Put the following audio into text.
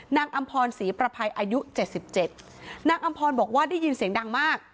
อำพรศรีประภัยอายุเจ็ดสิบเจ็ดนางอำพรบอกว่าได้ยินเสียงดังมาก